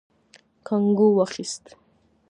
کانګو واخيست.